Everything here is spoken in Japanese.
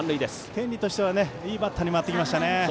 天理としてはいいバッターに回ってきました。